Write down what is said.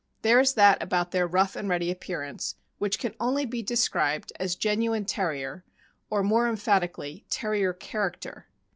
There is that about their rough and ready appearance which can only be described as genuine Terrier, or more emphatically, '' Terrier character."